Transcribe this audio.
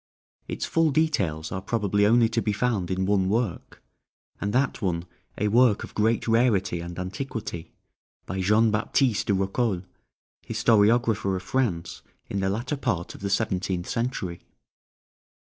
Its full details are probably only to be found in one work, and that one a work of great rarity and antiquity, by Jean Baptiste de Rocoles, historiographer of France in the latter part of the seventeenth century.